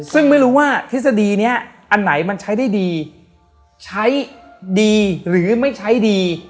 ซึ่งไม่รู้ว่าทฤษฎีนี้อันไหนมันใช้ได้ดีใช้ดีหรือไม่ใช้ดี